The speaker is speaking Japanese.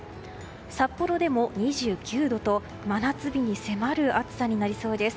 札幌でも２９度と真夏日に迫る暑さになりそうです。